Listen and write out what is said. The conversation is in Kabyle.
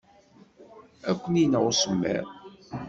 Ad ken-ineɣ usemmiḍ.